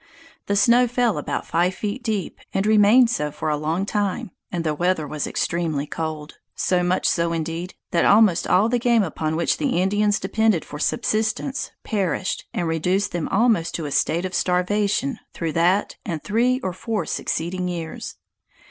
The snow fell about five feet deep, and remained so for a long time, and the weather was extremely cold; so much so indeed, that almost all the game upon which the Indians depended for subsistence, perished, and reduced them almost to a state of starvation through that and three or four succeeding years.